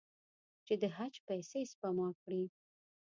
چې د حج پیسې سپما کړي.